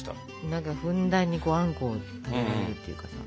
何かふんだんにあんこを食べられるっていうかさ。